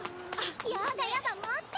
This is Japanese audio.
やだやだ待って！